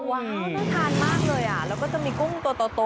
ว้าวต้องทานมากเลยแล้วก็จะมีกุ้งโต